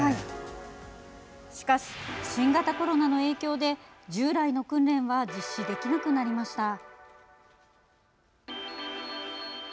しかし、新型コロナの影響で従来の訓練は実施できなくなりました。